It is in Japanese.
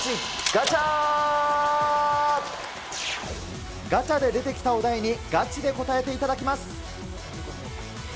ガチャで出てきたお題に、ガチで答えていただきます。